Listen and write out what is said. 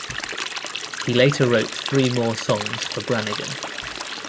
He later wrote three more songs for Branigan.